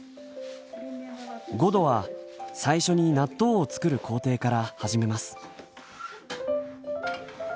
ごどは最初に納豆を作る工程から始めます。